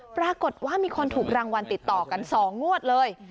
ปรากฏว่ามีคนถูกรางวัลติดต่อกัน๒งวดเลย